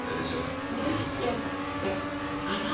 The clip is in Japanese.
どうしてってあら？